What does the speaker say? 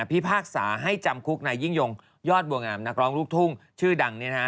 พิพากษาให้จำคุกนายยิ่งยงยอดบัวงามนักร้องลูกทุ่งชื่อดัง